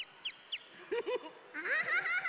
アハハハ！